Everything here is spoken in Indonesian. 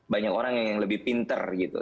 banyak orang yang lebih pinter gitu